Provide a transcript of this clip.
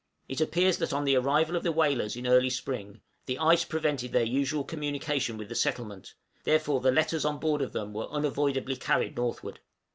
It appears that on the arrival of the whalers in early spring, the ice prevented their usual communication with the settlement, therefore the letters on board of them were unavoidably carried northward.